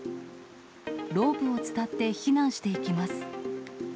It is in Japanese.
ロープを伝って避難していきます。